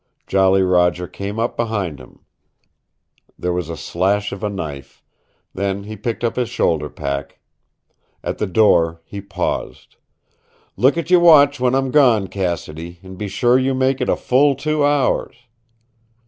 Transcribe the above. Jolly Roger came up behind him. There was the slash of a knife. Then he picked up his shoulder pack. At the door he paused. "Look at your watch when I'm gone, Cassidy, and be sure you make it a full two hours."